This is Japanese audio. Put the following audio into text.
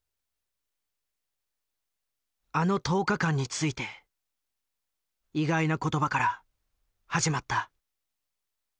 あの１０日間について意外な言葉から始まった。